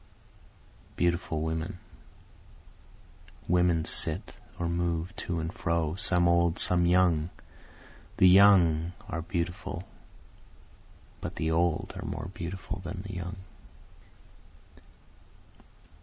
Beautiful Women Women sit or move to and fro, some old, some young, The young are beautiful but the old are more beautiful than the young.